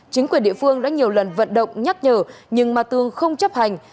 chính quyền địa phương đã nhiều lần vận động nhắc nhở nhưng mà tương không chấp hành